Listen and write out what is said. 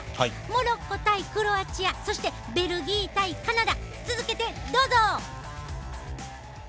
モロッコ対クロアチアそしてベルギー対カナダ続けてどうぞ。